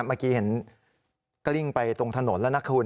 เมื่อกี้เห็นกลิ้งไปตรงถนนแล้วนะคุณ